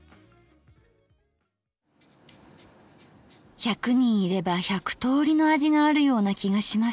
１００人いれば１００通りの味があるような気がします